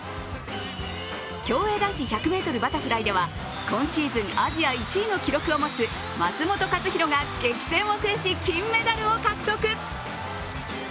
競泳・男子１００ｍバタフライでは今シーズンアジア１位の記録を持つ松本克央が激戦を制し、金メダルを獲得。